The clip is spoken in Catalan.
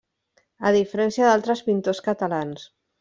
A diferència d'altres pintors catalans.